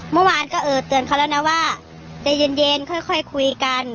เมื่อวานก็เออเตือนเขาแล้วนะว่าใจเย็นค่อยคุยกัน